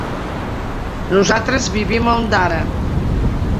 Nosaltres vivim a Ondara.